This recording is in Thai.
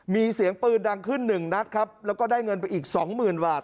มีเสียงปืนดังขึ้นหนึ่งนัดครับแล้วก็ได้เงินไปอีกสองหมื่นบาท